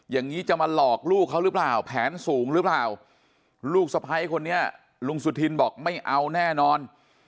อย่างนี้จะมาหลอกลูกเขาหรือเปล่าแผนสูงหรือเปล่าลูกสะพ้ายคนนี้ลุงสุธินบอกไม่เอาแน่นอน